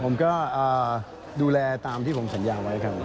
ผมก็ดูแลตามที่ผมสัญญาไว้ครับ